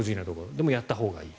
でもやったほうがいい。